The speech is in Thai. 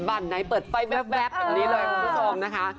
บ้านไหนเปิดไฟแว๊บแบบนี้เลยคุณผู้ชมนะคะ